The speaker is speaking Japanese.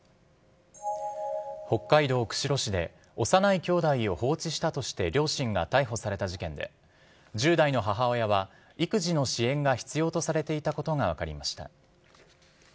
北海道釧路市で、幼い兄弟を放置したとして両親が逮捕された事件で、１０代の母親は、育児の支援が必要とされていたことが分かりました。